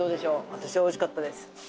私は美味しかったです。